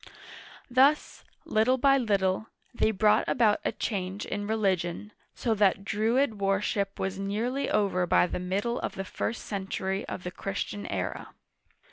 Thus, little by little, they brought about a change in religion, so that Druid worship was nearly over by the middle of the first century of the Christian era.